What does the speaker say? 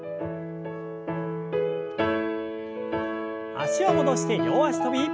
脚を戻して両脚跳び。